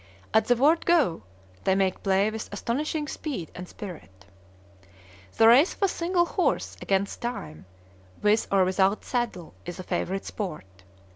At the word "Go," they make play with astonishing speed and spirit. The race of a single horse, "against time," with or without saddle, is a favorite sport.